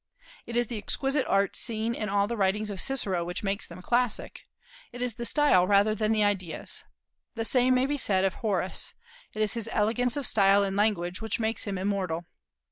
It is the exquisite art seen in all the writings of Cicero which makes them classic; it is the style rather than the ideas. The same may be said of Horace: it is his elegance of style and language which makes him immortal.